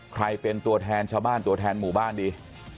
ใครเป็นตัวแทนชาวบ้านตัวแทนหมู่บ้านดี